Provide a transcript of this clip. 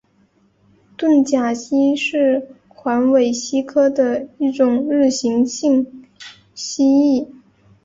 盾甲蜥是环尾蜥科的一种日行性蜥蜴。